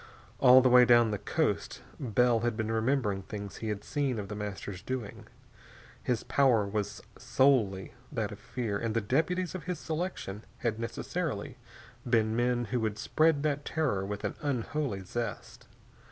All the way down the coast Bell had been remembering things he had seen of The Master's doing. His power was solely that of fear, and the deputies of his selection had necessarily been men who would spread that terror with an unholy zest.